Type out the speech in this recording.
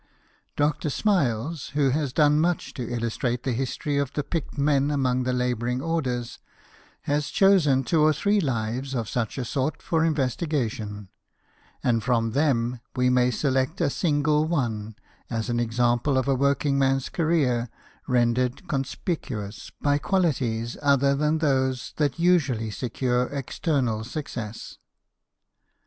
Dr. Smiles, who has done much to illustrate the history of the picked men among the labouring orders, has chosen two or three lives of such a sort for investigation, and from them we may select a single one as an example of a working man's career rendered conspicuous by qualities other than those that usually secure external success.